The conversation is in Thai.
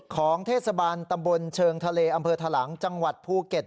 ของเทศบาลตำบลเชิงทะเลอำเภอทะลังจังหวัดภูเก็ต